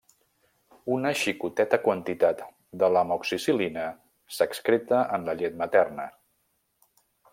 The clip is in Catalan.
Una xicoteta quantitat de l'amoxicil·lina s'excreta en la llet materna.